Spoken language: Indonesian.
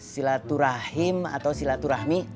silaturahim atau silaturahmi